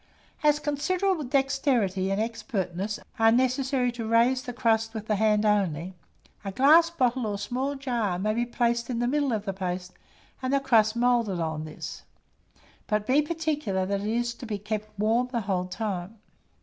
As considerable dexterity and expertness are necessary to raise the crust with the hand only, a glass bottle or small jar may be placed in the middle of the paste, and the crust moulded on this; but be particular that it is kept warm the whole time.